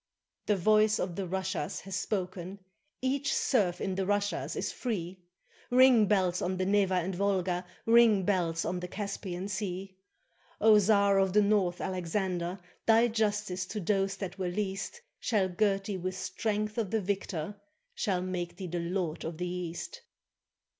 The voice of the Russias has spoken; Each serf in the Russias is free ! Ring, bells, on the Neva and Volga, Ring, bells, on the Caspian Sea! O Czar of the North, Alexander, Thy justice to those that were least Shall gird thee with strength of the victor. Shall make thee the lord of the East.